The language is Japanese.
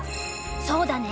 そうだね。